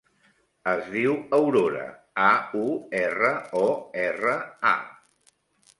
Es diu Aurora: a, u, erra, o, erra, a.